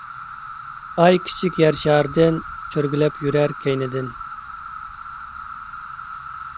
ئاي كىچىك يەر شارىدىن، چۆرگۈلەپ يۈرەر كەينىدىن.